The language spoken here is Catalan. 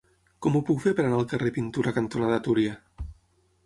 Com ho puc fer per anar al carrer Pintura cantonada Túria?